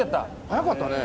早かったね。